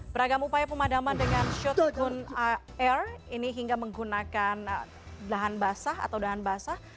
beragam upaya pemadaman dengan shotgun air ini hingga menggunakan dahan basah atau dahan basah